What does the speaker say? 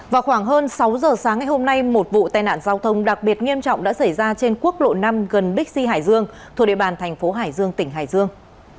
vào khoảng hơn sáu giờ sáng ngày hôm nay một vụ tai nạn giao thông đặc biệt nghiêm trọng đã xảy ra trên quốc lộ năm gần bixi hải dương thuộc địa bàn thành phố hải dương tỉnh hải dương